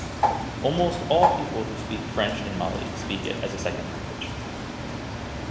Almost all people who speak French in Mali speak it as a second language.